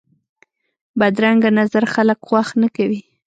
بدرنګه نظر خلک خوښ نه کوي